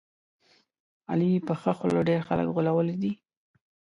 علي په ښه خوله ډېر خلک غولولي دي.